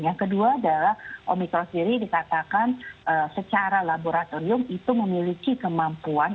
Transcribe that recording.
yang kedua adalah omikron sendiri dikatakan secara laboratorium itu memiliki kemampuan